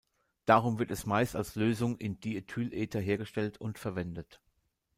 Darum wird es meist als Lösung in Diethylether hergestellt und verwendet.